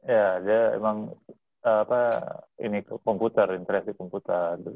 ya dia emang apa ini komputer interest di komputer